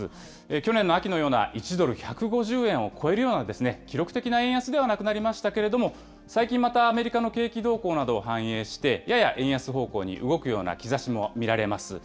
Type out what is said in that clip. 去年の秋のような１ドル１５０円を超えるような記録的な円安ではなくなりましたけれども、最近、またアメリカの景気動向などを反映して、やや円安方向に動くような兆しも見られます。